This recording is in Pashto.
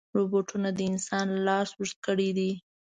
روبوټونه د انسان لاس اوږد کړی دی.